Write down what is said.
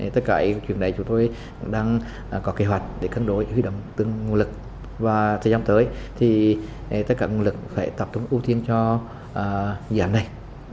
tất cả những chuyện này chúng tôi đang có kế hoạch để cân đối với đồng tương nguồn lực và thời gian tới thì tất cả nguồn lực phải tập trung ưu tiên cho dự án này